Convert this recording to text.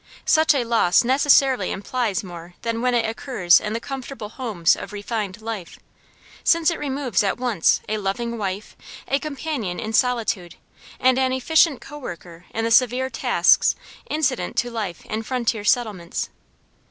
Such a loss necessarily implies more than when it occurs in the comfortable homes of refined life, since it removes at once a loving wife, a companion in solitude, and an efficient co worker in the severe tasks incident to life in frontier settlements.